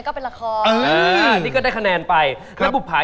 ทำไป๕ข้อ๕คะแนนค่ะ